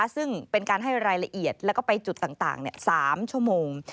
ซึ่งเป็นการให้รายละเอียดแล้วก็ไปจุดต่าง๓ชั่วโมง